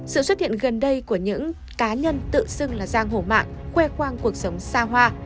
sự xuất hiện gần đây của những cá nhân tự xưng là giang hổ mạng khoe khoang cuộc sống xa hoa